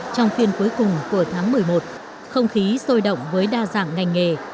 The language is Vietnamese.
trong phiên cuối cùng của tháng một mươi một không khí sôi động với đa dạng ngành nghề